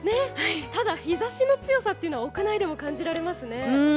ただ、日差しの強さは屋内でも感じられますね。